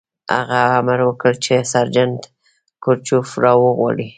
هغه امر وکړ چې سرجنټ کروچکوف را وغواړئ